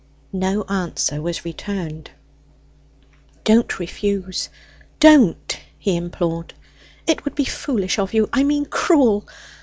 No answer was returned. "Don't refuse; don't," he implored. "It would be foolish of you I mean cruel!